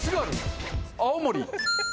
青森。